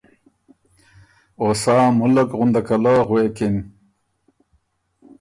او سا مُلّک غندکه له غوېکِن